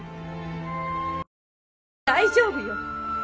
大丈夫よ。